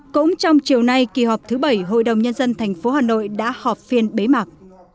cũng trong chiều nay kỳ họp thứ bảy hội đồng nhân dân tp hà nội đã họp phiên bế mạc